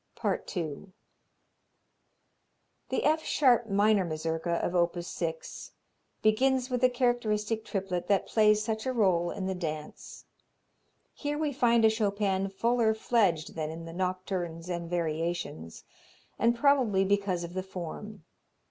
II The F sharp minor Mazurka of op. 6 begins with the characteristic triplet that plays such a role in the dance. Here we find a Chopin fuller fledged than in the nocturnes and variations, and probably because of the form.